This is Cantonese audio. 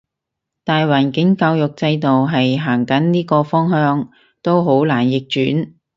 大環境教育制度係行緊呢個方向，都好難逆轉